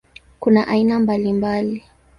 Kuna aina mbalimbali.